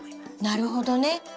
なるほどね。